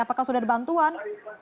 apakah sudah ada bantuan